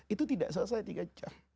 itu tidak selesai tiga jam